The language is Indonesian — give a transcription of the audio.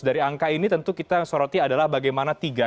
dari angka ini tentu kita soroti adalah bagaimana tiga